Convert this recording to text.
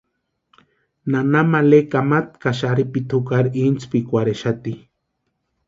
Nana male kamata ka xarhipiti jukari intsipikwarhexati.